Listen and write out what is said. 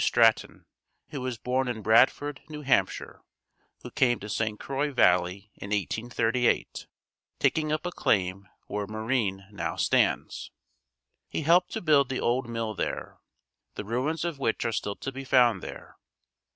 Stratton who was born in Bradford, N. H., who came to St. Croix valley in 1838, taking up a claim where Marine now stands. He helped to build the old mill there, the ruins of which are still to be found there.